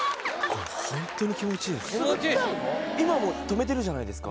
今もう止めてるじゃないですか。